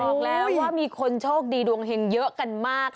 บอกแล้วว่ามีคนโชคดีดวงเห็งเยอะกันมาก